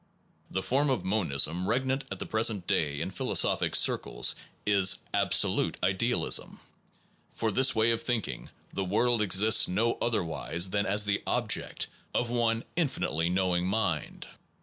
The form of monism regnant at the present day in phi losophic circles is absolute idealism. For this way of thinking, the world exists no otherwise than as the object of one infinitely knowing mind.